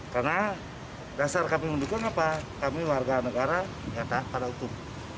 karena dasar kami mendukung apa kami warga negara kita pada hukum